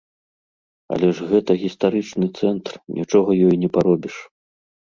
Але ж гэта гістарычны цэнтр, нічога ёй не паробіш.